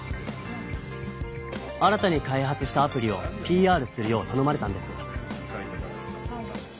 新たに開発したアプリをＰＲするようたのまれたんです。